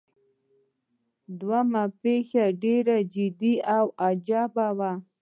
دوهمه پیښه ډیره جدي او عجیبه وه.